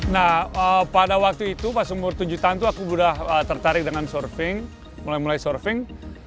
nah pada waktu itu pas umur tujuh tahun itu aku udah tertarik dengan surfing mulai mulai surfing